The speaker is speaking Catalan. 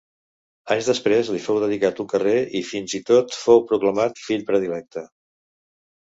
Anys després li fou dedicat un carrer i fins i tot fou proclamat Fill Predilecte.